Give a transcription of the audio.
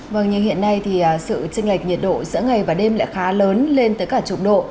vâng như hiện nay thì sự tranh lệch nhiệt độ giữa ngày và đêm lại khá lớn lên tới cả chục độ